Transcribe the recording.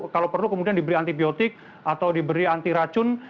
kalau perlu kemudian diberi antibiotik atau diberi antiracun